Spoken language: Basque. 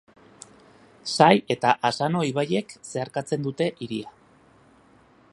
Sai eta Asano ibaiek zeharkatzen dute hiria.